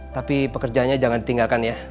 tapi pekerjaannya jangan ditinggalkan ya